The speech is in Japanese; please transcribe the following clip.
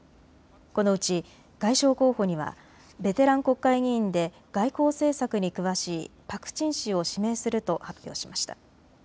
このうち外相候補にはベテラン国会議員で外交政策に詳しいパク・チン氏を指名すると発表しました。